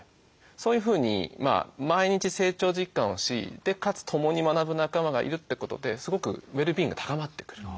そういうふうに毎日成長実感をしかつ共に学ぶ仲間がいるってことですごくウェルビーイングが高まってくる。